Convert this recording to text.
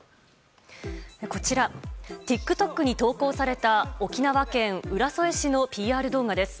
こちら、ＴｉｋＴｏｋに投稿された、沖縄県浦添市のＰＲ動画です。